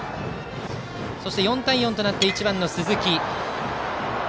４対４となって１番の鈴木。